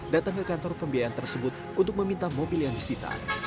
datang ke kantor pembiayaan tersebut untuk meminta mobil yang disita